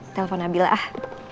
telepon nabil lah